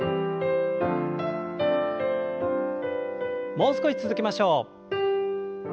もう少し続けましょう。